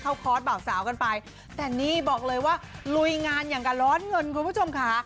คอร์สบ่าวสาวกันไปแต่นี่บอกเลยว่าลุยงานอย่างกับร้อนเงินคุณผู้ชมค่ะ